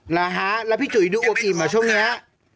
แล้วพี่จุ๋ยดูอวบอิ่มเหรอช่วงนี้